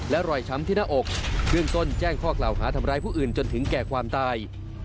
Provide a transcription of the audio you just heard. และรอยช้ำที่หน้าอกเบื้องต้นแจ้งข้อกล่าวหาทำร้ายผู้อื่นจนถึงแก่ความตาย